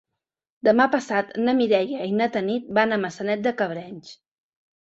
Demà passat na Mireia i na Tanit van a Maçanet de Cabrenys.